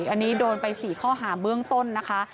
อันนี้โดนไป๔ข้อหาเบื้องต้นนะคะ